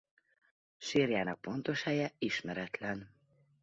Sírjának pontos helye ismeretlen.